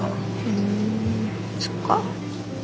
ふんそっか。